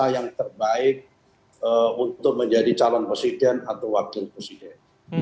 yang terbaik untuk menjadi calon presiden atau wakil presiden